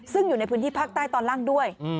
ซึ่งอยู่ในพื้นที่ภาคใต้ตอนล่างด้วย